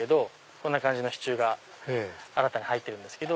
こんな感じの支柱が新たに入ってるんですけど。